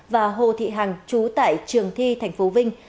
và hồ thị hằng chú tại trường thi thành phố vinh